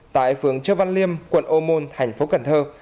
tại phường chư văn liêm quận ô môn thành phố cần thơ